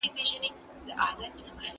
هغه څوک چي ليکنه کوي ښه زده کوي؟